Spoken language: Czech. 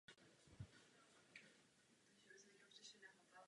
Spory v nauce o milosti a ospravedlnění pak stály v jádru protestantské reformace.